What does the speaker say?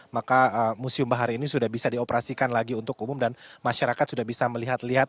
maka museum bahari ini sudah bisa dioperasikan lagi untuk umum dan masyarakat sudah bisa melihat lihat